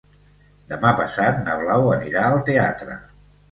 Demà passat na Blau anirà al teatre.